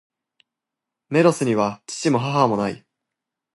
メロスには父も、母も無い。